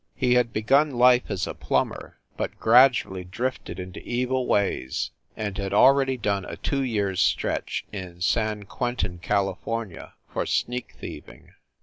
He had begun life as a plumber, but gradually drifted into evil ways and had already done a two years "stretch" in San Quentin, California, for sneak thieving.